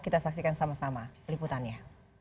kita saksikan sama sama liputannya